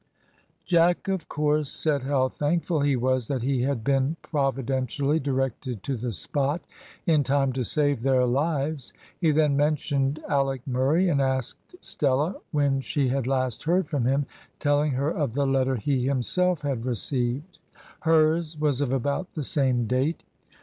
Jack, of course, said how thankful he was that he had been providentially directed to the spot in time to save their lives; he then mentioned Alick Murray, and asked Stella when she had last heard from him, telling her of the letter he himself had received. Hers was of about the same date.